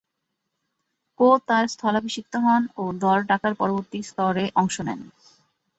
কো তার স্থলাভিষিক্ত হন ও দর ডাকার পরবর্তী স্তরে অংশ নেন।